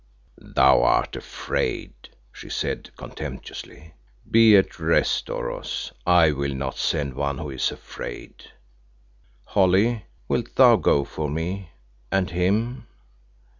"Thou art afraid," she said contemptuously. "Be at rest, Oros, I will not send one who is afraid. Holly, wilt thou go for me and him?"